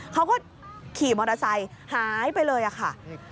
เขาก็ขี่มอเตอร์ไซค์หายไปเลยค่ะ